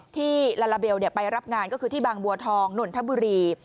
ที่ลาลาเบลไปรับงานก็คือที่บางบัวทองนนทบุรี